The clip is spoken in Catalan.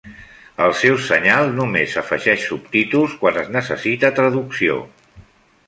El seu senyal només afegeix subtítols quan es necessita traducció.